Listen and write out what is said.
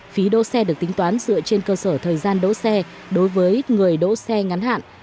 phí đỗ xe được tính toán dựa trên cơ sở thời gian đỗ xe đối với người đỗ xe ngắn hạn